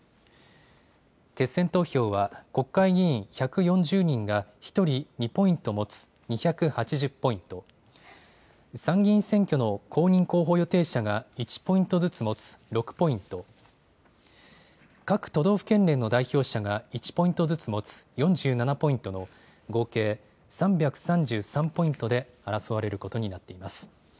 決選投票は国会議員１４０人が１人２ポイント持つ２８０ポイント、参議院選挙の公認候補予定者が１ポイントずつ持つ６ポイント、各都道府県連の代表者が１ポイントずつ持つ４７ポイントの合計３３３ポイントで争われることになっています。